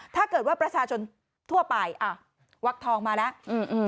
ถ้าเกิดว่าประชาชนทั่วไปอ่ะวักทองมาแล้วอืม